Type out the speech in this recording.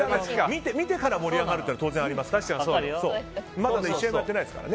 見てから盛り上がるというのは当然ありますから。